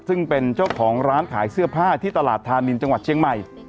ซึ่งเป็นเจ้าของร้านขายเสื้อผ้าที่ตลาดธานินจังหวัดเชียงใหม่